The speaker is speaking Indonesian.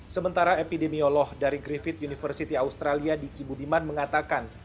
sementara epidemiolog dari griffith university australia diki budiman mengatakan